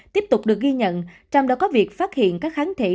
tiếp tục được ghi nhận trong đó có việc phát hiện các kháng thể